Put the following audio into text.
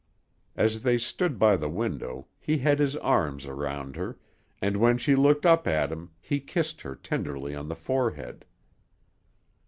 As they stood by the window, he had his arms around her, and when she looked up at him he kissed her tenderly on the forehead.